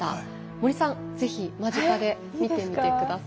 森さん是非間近で見てみて下さい。